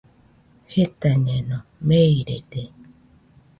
Jetañeno, meirede.